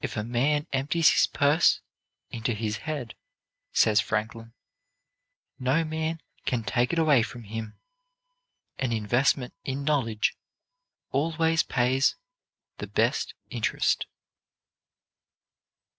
"If a man empties his purse into his head," says Franklin, "no man can take it away from him. An investment in knowledge always pays the best interest."